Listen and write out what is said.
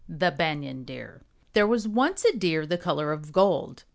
XII THE BANYAN DEER THERE was once a Deer the color of gold.